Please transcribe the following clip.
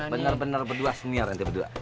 bener bener berdua senior ya